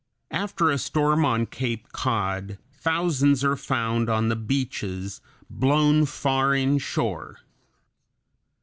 After a storm on Cape Cod thousands are found on the beaches, blown far inshore.